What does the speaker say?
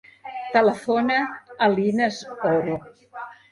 Telefona a l'Inas Oro.